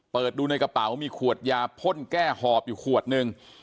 เปิดดูในกระเป๋ามีขวดยาพ่นแก้หอบอยู่ขวดนึง